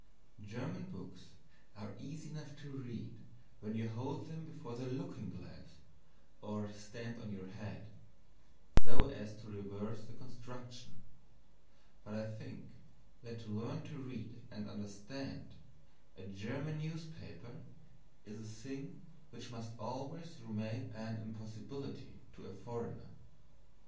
German books are easy enough to read when you hold them before the looking glass or stand on your head so as to reverse the construction but I think that to learn to read and understand a German newspaper is a thing which must always remain an impossibility to a foreigner.